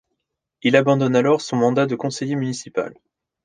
Il abandonne alors son mandat de conseiller municipal.